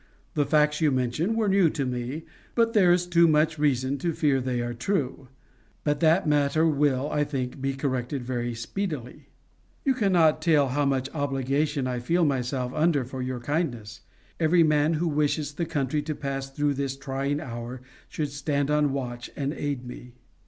The facts you mention were new to me, but there is too much reason to fear they are true. But that matter will, I think, be corrected very speedily. You can not tell how much obligation I feel myself under for your kindness. Every man who wishes the country to pass through this trying hour should stand on watch, and aid me.